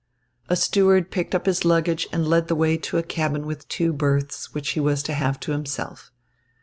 A steward picked up his luggage and led the way to a cabin with two berths, which he was to have to himself.